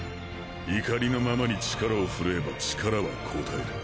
怒りのままに力を振るえば力は応える。